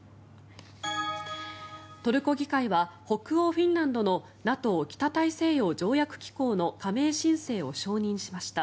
トルコ議会は北欧フィンランドのＮＡＴＯ・北大西洋条約機構の加盟申請を承認しました。